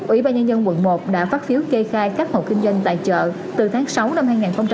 ủy ban nhân dân quận một đã phát phiếu kê khai các hồ kinh doanh tại chợ từ tháng sáu năm hai nghìn một mươi bảy